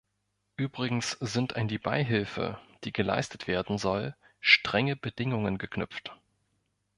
Übrigens sind an die Beihilfe, die geleistet werden soll, strenge Bedingungen geknüpft.